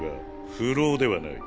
不老ではない。